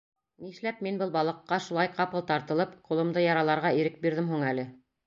Нишләп мин был балыҡҡа шулай ҡапыл тартылып ҡулымды яраларға ирек бирҙем һуң әле?